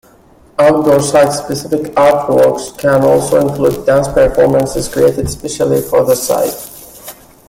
Outdoor site-specific artworks can also include dance performances created especially for the site.